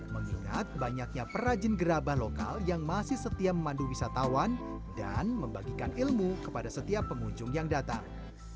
mengingat banyaknya perajin gerabah lokal yang masih setia memandu wisatawan dan membagikan ilmu kepada setiap pengunjung yang datang